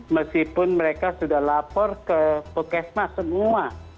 meskipun mereka sudah lapor ke puskesmas semua